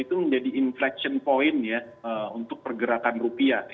itu menjadi inflection point ya untuk pergerakan rupiah